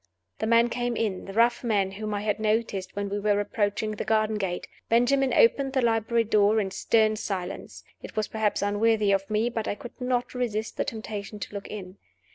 The man came in the rough man whom I had noticed when we were approaching the garden gate. Benjamin opened the library door in stern silence. It was perhaps unworthy of me, but I could not resist the temptation to look in.